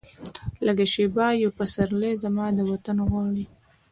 لږه شیبه یو پسرلی، زما د وطن غواړي